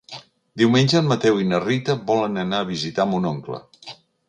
Diumenge en Mateu i na Rita volen anar a visitar mon oncle.